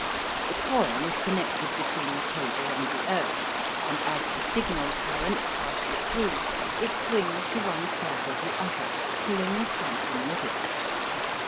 The coil is connected between the cable and the earth, and, as the signal current passes through, it swings to one side or the other, pulling the siphon with it.